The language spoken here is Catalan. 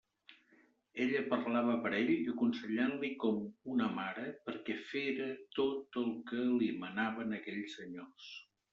Ella parlava per ell, aconsellant-li com una mare perquè fera tot el que li manaven aquells senyors.